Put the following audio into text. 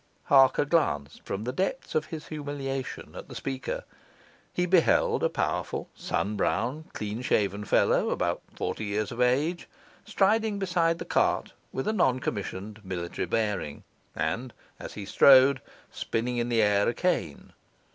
Harker glanced, from the depths of his humiliation, at the speaker. He beheld a powerful, sun brown, clean shaven fellow, about forty years of age, striding beside the cart with a non commissioned military bearing, and (as he strode) spinning in the air a cane.